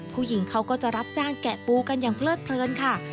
ผู้หญิงเขาก็จะรับจ้างแกะปูกันอย่างเพลิดเพลินค่ะ